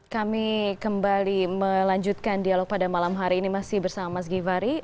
kami kembali melanjutkan dialog pada malam hari ini masih bersama mas givhary